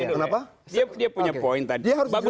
kenapa dia punya poin tadi